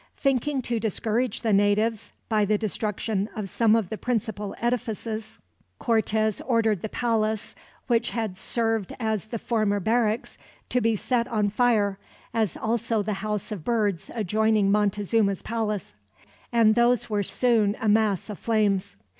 Thinking to discourage the natives, by the destruction of some of the principal edifices, Cortez ordered the palace which had served as the former barracks to be set on fire, as also the house of birds adjoining Montezuma's palace, and those were soon a mass of flames.